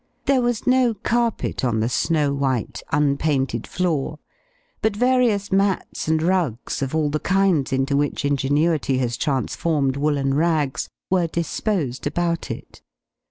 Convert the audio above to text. There was no carpet on the snow white, unpainted floor, but various mats and rugs, of all the kinds into which ingenuity has transformed woollen rags, were disposed about it.